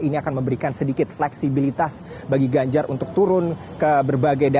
ini akan memberikan sedikit fleksibilitas bagi ganjar untuk turun ke berbagai daerah